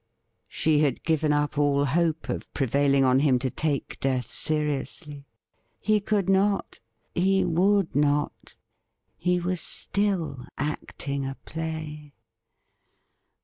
She had given up all hope of prevailing on him to take death seriously. He could not, he would not ; he was still acting a play.